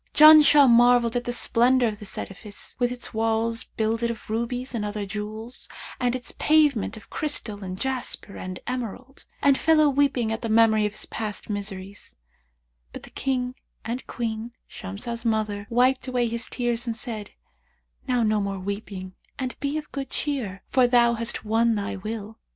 Janshah marvelled at the splendour of this edifice, with its walls builded of rubies and other jewels and its pavement of crystal and jasper and emerald, and fell a weeping at the memory of his past miseries; but the King and Queen, Shamsah's mother, wiped away his tears and said, 'Now no more weeping and be of good cheer, for thou hast won to thy will.'